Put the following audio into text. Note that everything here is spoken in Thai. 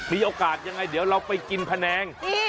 มีโอกาสยังไงเดี๋ยวเราไปกินแผนง